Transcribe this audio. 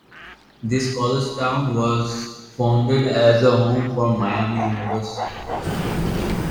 This college town was founded as a home for Miami University.